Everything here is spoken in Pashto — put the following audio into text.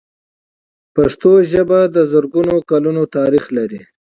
پښتو ژبه د زرګونو کلونو تاریخ لري.